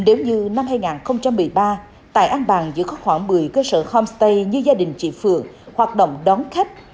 nếu như năm hai nghìn một mươi ba tại an bàng giữa khoảng một mươi cơ sở homestay như gia đình chị phượng hoạt động đón khách